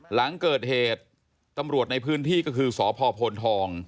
หลังเกิดเหตุตำรวจในพื้นที่ก็คือสพโพนทอง